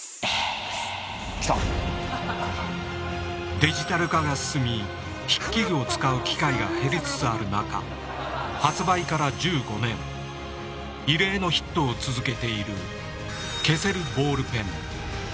デジタル化が進み筆記具を使う機会が減りつつある中発売から１５年異例のヒットを続けている「消せるボールペン」。